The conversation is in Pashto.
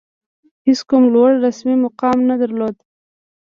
هېڅ کوم لوړ رسمي مقام نه درلود.